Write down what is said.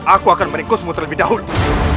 aku akan meringkusmu terlebih dahulu